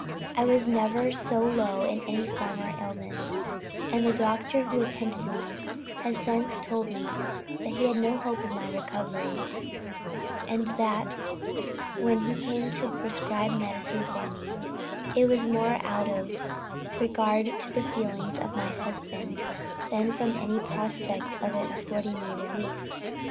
I was never so low in any former illness, and the doctor who attended me, has since told me, that he had no hope of my recovery; and that when he came to prescribe medicine for me, it was more out of regard to the feelings of my husband, than from any prospect of its affording me relief.